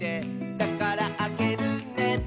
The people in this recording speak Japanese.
「だからあげるね」